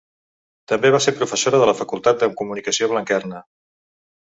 També va ser professora de la Facultat de Comunicació Blanquerna.